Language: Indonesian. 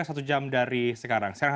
satu jam dari sekarang